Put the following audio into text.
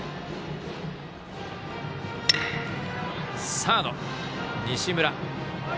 サード、西村。